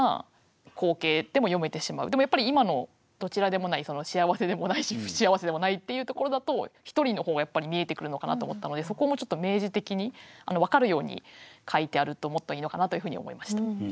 でもやっぱり今のどちらでもない幸せでもないし不幸せでもないっていうところだと一人の方がやっぱり見えてくるのかなと思ったのでそこをもうちょっと明示的に分かるように書いてあるともっといいのかなというふうに思いました。